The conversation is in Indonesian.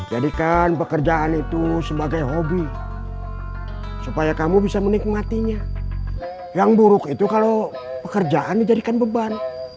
jadikan pekerjaan itu sebagai hobi supaya kamu bisa menikmatinya yang buruk itu kalau pekerjaan dijadikan beban